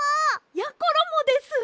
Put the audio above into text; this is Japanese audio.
やころもです！